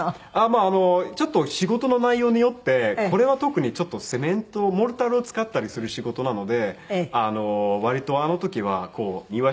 まあちょっと仕事の内容によって。これは特にセメントをモルタルを使ったりする仕事なので割とあの時は庭師らしい衣装があるので。